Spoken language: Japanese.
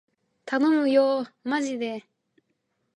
たのむよーまじでー